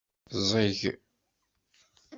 Ẓẓeg.